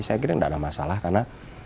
saya kira tidak ada masalah karena